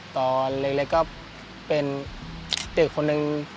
ตอนเล็กก็เป็นตึกคนหนึ่ง